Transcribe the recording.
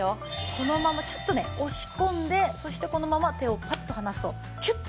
このままちょっとね押し込んでそしてこのまま手をパッと離すとキュッと閉じますから。